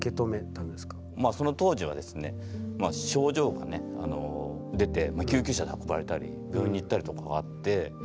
その当時はですね症状が出て救急車で運ばれたり病院に行ったりとかがあって。